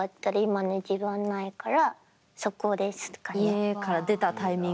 家から出たタイミング。